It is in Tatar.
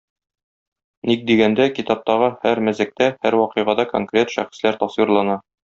Ник дигәндә, китаптагы һәр мәзәктә, һәр вакыйгада конкрет шәхесләр тасвирлана.